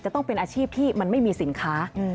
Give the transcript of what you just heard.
ต้องเป็นอาชีพที่มันไม่มีสินค้า